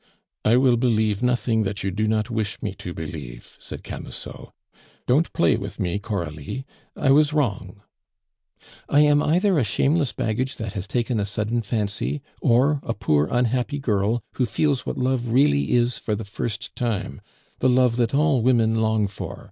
"I will believe nothing that you do not wish me to believe," said Camusot. "Don't play with me, Coralie; I was wrong " "I am either a shameless baggage that has taken a sudden fancy; or a poor, unhappy girl who feels what love really is for the first time, the love that all women long for.